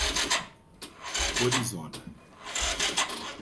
Orizona